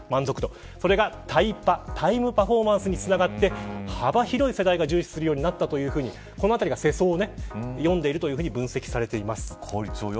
それがタイパタイムパフォーマンスにつながって幅広い世代が重視するようになったこのあたりが世相を読んでいると分析されています。